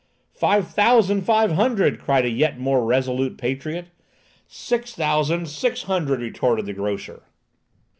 "Five thousand five hundred!" cried a yet more resolute patriot. "Six thousand six hundred!" retorted the grocer.